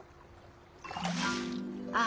あ。